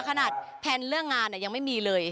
ขนาดแพลนเรื่องงานเนี่ยยังไม่มีเลย